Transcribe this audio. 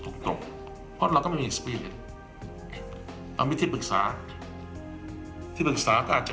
ถูกเพราะเราก็ไม่มีเอาวิธีปรึกษาที่ปรึกษาก็อาจจะ